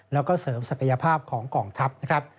แล้วก็เสริมศักยภาพของกองทัพนะครับ